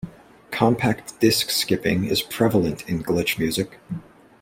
Compact Disc skipping is prevalent in glitch music.